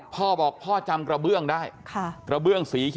พ่อบอกพ่อจำกระเบื้องได้